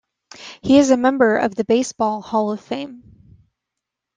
He is a member of the Baseball Hall of Fame.